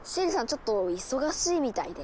ちょっと忙しいみたいで。